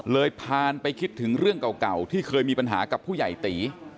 ผ่านไปคิดถึงเรื่องเก่าที่เคยมีปัญหากับผู้ใหญ่ตี